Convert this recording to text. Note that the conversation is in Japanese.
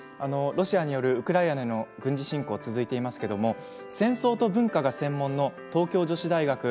ロシアによるウクライナへの軍事侵攻が続いていますけれども戦争と文化が専門の東京女子大学